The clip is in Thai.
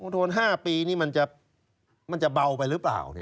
โทน๕ปีนี่มันจะเบาไปหรือเปล่า